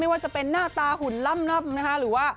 ว่าจะเป็นหน้าตาหุ่นล่ำนะคะหรือว่า